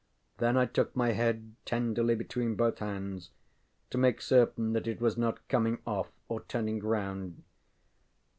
Then I took my head tenderly between both hands, to make certain that it was not coming off or turning round.